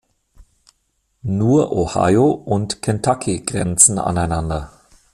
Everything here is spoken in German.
Nur Ohio und Kentucky grenzen aneinander.